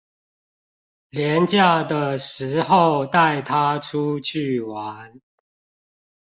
連假的時候帶他出去玩